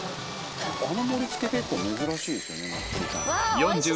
あの盛りつけ結構珍しいですよね